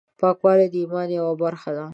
پاکوالی د ایمان یوه مهمه برخه ده.